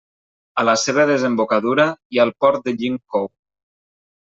A la seva desembocadura hi ha el port de Yingkou.